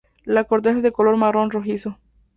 La corteza es de color marrón rojizo.